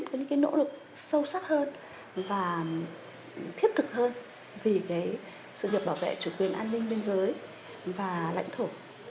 có những cái nỗ lực sâu sắc hơn và thiết thực hơn vì cái sự nhập bảo vệ chủ quyền an ninh bên dưới và lãnh thổ